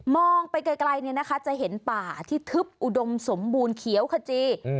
ไปไกลจะเห็นป่าที่ทึบอุดมสมบูรณ์เขียวขจี